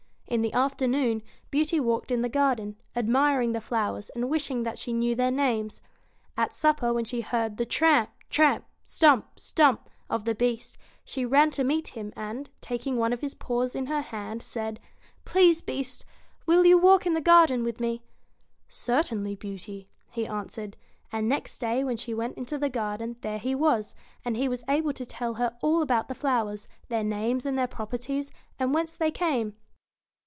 In the afternoon, Beauty walked in the garden, admiring the flowers, and wishing that she knew their names. At supper, when she heard the tramp, tramp ! stump, stump ! of the Beast, she ran to meet him, and, taking one of his paws in her hand, said :' Please, Beast ! will you walk in the garden with me ?' 'Certainly, Beauty!' he answered; and next day when she went into the garden there he was, and he was able to tell her all about the flowers, their names and their properties, and whence they came.